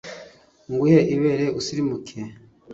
nguhe ibere usirimuke